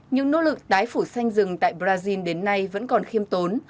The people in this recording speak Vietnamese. nhưng nỗ lực tái phủ xanh rừng tại brazil đến nay vẫn còn khiêm tốn